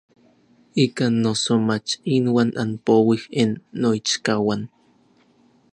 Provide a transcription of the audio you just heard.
Ikan noso mach inuan anpouij n noichkauan.